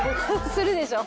するでしょ。